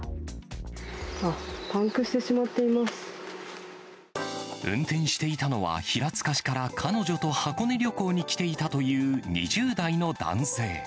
あっ、パンクしてしまってい運転していたのは、平塚市から彼女と箱根旅行に来ていたという２０代の男性。